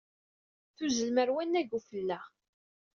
Tuzzlem ɣer wannag n ufella.